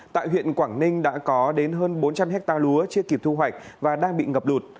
tại huyện quảng ninh đã có đến hơn bốn trăm linh hectare lúa chưa kịp thu hoạch và đang bị ngập lụt